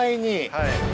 はい。